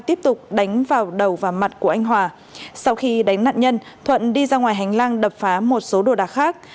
tiếp tục đánh vào đầu và mặt của anh hòa sau khi đánh nạn nhân thuận đi ra ngoài hành lang đập phá một số đồ đạc khác